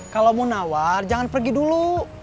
kalau mau nawar jangan pergi dulu